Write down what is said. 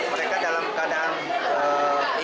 mereka dalam keadaan ingin